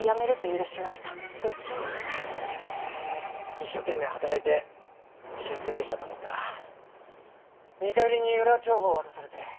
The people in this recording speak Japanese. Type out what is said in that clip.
一生懸命働いて出世できたと思ったら見返りに裏帳簿を渡されて。